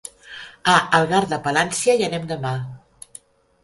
A Algar de Palància hi anem demà.